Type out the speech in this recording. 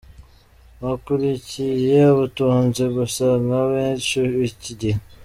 wakurikiye ubutunzi gusa nk,abenshi b’iki gihe .